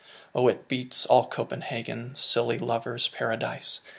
Oh, it beats all "Copenhagen," Silly lovers' paradise!